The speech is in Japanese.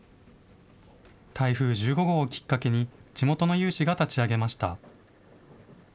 台風１５号をきっかけに地元の有志が立ち上げました。